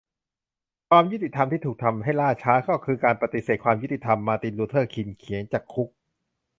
"ความยุติธรรมที่ถูกทำให้ล่าช้า ก็คือการปฏิเสธความยุติธรรม" - มาร์ติน ลูเธอร์ คิง เขียนจากคุก